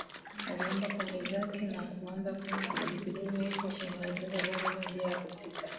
Aliomba pombe zake na kuanza kunywa kidogo kidogo huku akimuelekeza Jacob njia ya kupita